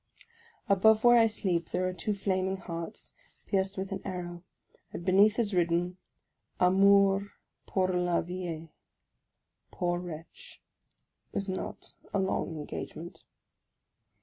Above where I sleep there are two flaming hearts, pierced with an arrow ; and beneath is written " Amour pour la vie." Poor wretch ! it was not a long engagement.